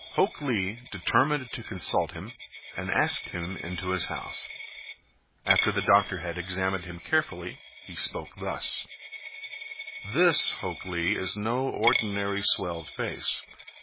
Hok Lee determined to consult him and asked him into his house. After the doctor had examined him carefully he spoke thus: "This, Hok Lee, is no ordinary swelled face.